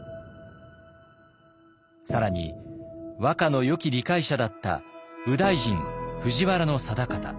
更に和歌のよき理解者だった右大臣藤原定方